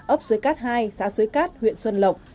ấp dưới cát hai xã xuế cát huyện xuân lộc